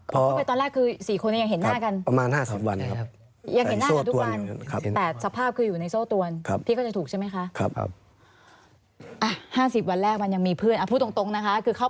พอไปตอนแรกคือสี่คนยังเห็นหน้ากันประมาณห้าสิบวันครับยังเห็นหน้ากันทุกวัน